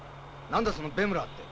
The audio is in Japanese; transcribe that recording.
何だそのベムラーって。